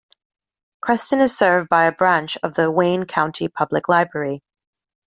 Creston is served by a branch of the Wayne County Public Library.